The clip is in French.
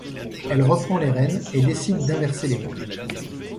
Elle reprend les rênes et décide d'inverser les rôles.